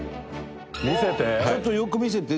見せて。